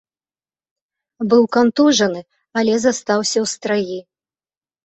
Быў кантужаны, але застаўся ў страі.